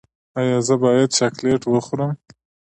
ایا زه باید چاکلیټ وخورم؟